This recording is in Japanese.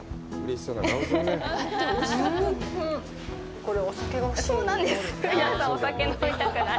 これ、お酒が欲しい。